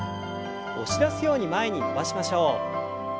押し出すように前に伸ばしましょう。